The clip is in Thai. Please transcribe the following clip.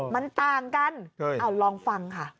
มันต่างกันเอาลองฟังค่ะ